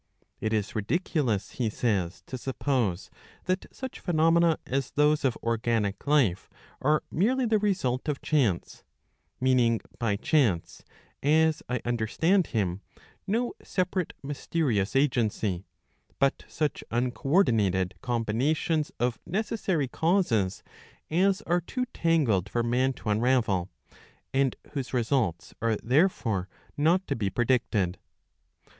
It is ridiculous, he saysf " jaA« to suppose that such phenomena as those of organic life are merely ""f the result of chance ; meaning by chance, as I understand him, no separate mysterious agency, but such uncoordinated combinations of necessary causes as are too tangled for man to unravel, and whose results are therefore not to be predicted.